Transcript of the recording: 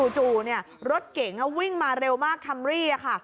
จู่เนี่ยรถเก่งวิ่งมาเร็วมากคำรีค่ะ